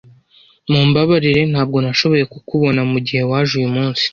Mumbabarire ntabwo nashoboye kukubona mugihe waje uyu munsi.